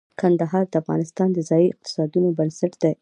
کندهار د افغانستان د ځایي اقتصادونو بنسټ دی.